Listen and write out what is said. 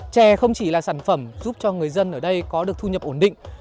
chè không chỉ là sản phẩm giúp cho người dân ở đây có được thu nhập ổn định